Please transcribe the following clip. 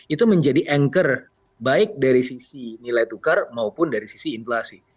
itu menjadi anchor baik dari sisi nilai tukar maupun dari sisi inflasi